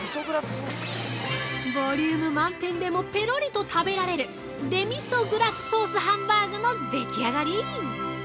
◆ボリューム満点でもペロリと食べられるデミソグラスソースハンバーグのでき上がり！